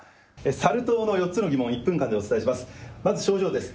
サル痘の４つの疑問、１分間でお伝えします。